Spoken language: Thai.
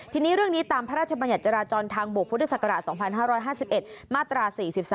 ทีนี้เรื่องนี้ตามพระราชบัญญัติจราจรทางบกพุทธศักราช๒๕๕๑มาตรา๔๓